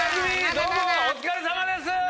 どうもお疲れさまです！